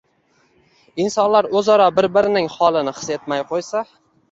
– insonlar o‘zaro bir-birining holini his etmay qo‘ysa